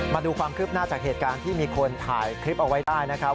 มาดูความคืบหน้าจากเหตุการณ์ที่มีคนถ่ายคลิปเอาไว้ได้นะครับ